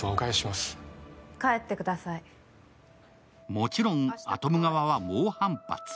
もちろん、アトム側は猛反発。